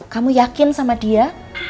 kamu yakin sama dia